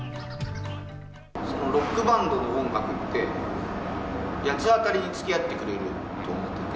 ロックバンドの音楽って、八つ当たりにつきあってくれると思ってて。